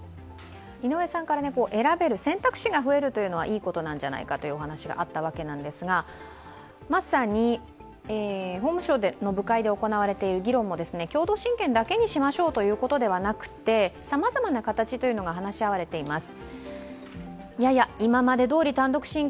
井上さんから選べる、選択肢が増えるのはいいんじゃないかというお話があったわけなんですが、まさに法務省で行われている議論も共同親権だけにしましょうということではなくてさまざまな形というのが話し合われています。